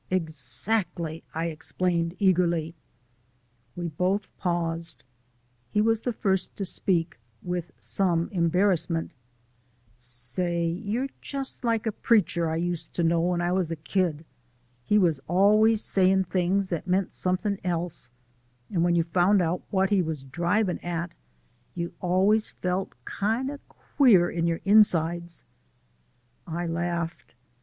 "Exactly," I exclaimed eagerly. We both paused. He was the first to speak with some embarrassment: "Say, you're just like a preacher I used to know when I was a kid. He was always sayin' things that meant something else and when you found out what he was drivin' at you always felt kind of queer in your insides." I laughed.